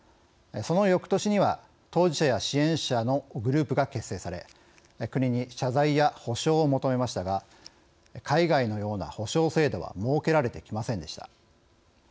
その翌年には、当事者や支援者のグループが結成され国に謝罪や補償を求めましたが海外のような補償制度は設けられてきませんでした。